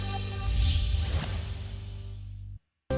hanya tujuh persen